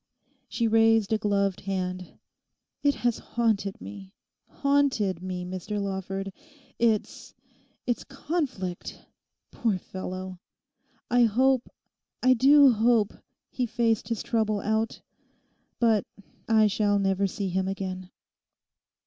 She raised a gloved hand. 'It has haunted me, haunted me, Mr Lawford; its—its conflict! Poor fellow; I hope, I do hope, he faced his trouble out. But I shall never see him again.